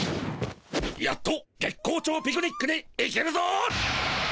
やっと月光町ピクニックに行けるぞ。